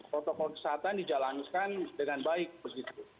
protokol kesehatan dijalankan dengan baik begitu